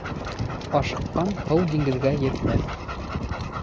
Ашыҡҡан һыу диңгеҙгә етмәҫ.